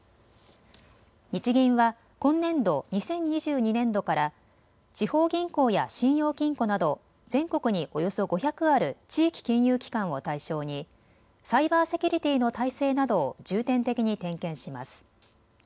日銀は今年度２０２２年度から地方銀行や信用金庫など全国におよそ５００ある地域金融機関を対象にサイバーセキュリティーの体制などを重点的に点検します。